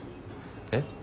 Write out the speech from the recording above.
えっ？